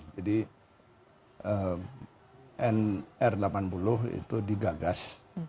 jadi r delapan puluh itu digagas